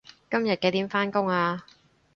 今日幾點返工啊